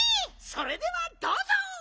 それではどうぞ！